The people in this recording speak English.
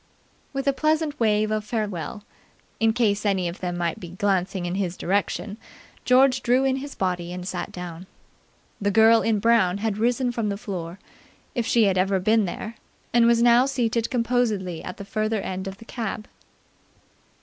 With a pleasant wave of farewell, in case any of them might be glancing in his direction, George drew in his body and sat down. The girl in brown had risen from the floor, if she had ever been there, and was now seated composedly at the further end of the cab.